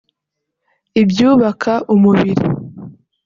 Ibyubaka umubiri